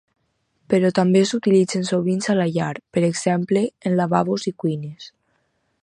Però també s'utilitzen sovint a la llar, per exemple en lavabos i cuines.